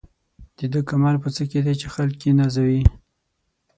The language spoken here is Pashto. د ده کمال په څه کې دی چې خلک یې نازوي.